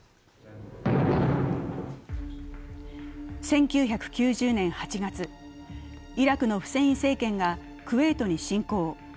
１９９０年８月、イラクのフセイン政権がクエートに侵攻。